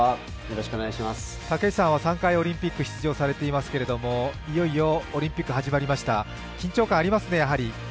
竹内さんは３回オリンピック出場されていますけれども、いよいよオリンピック始まりました、緊張感ありますね、やはり。